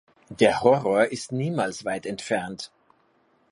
Der Horror ist niemals weit entfernt.